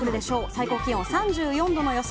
最高気温３４度の予想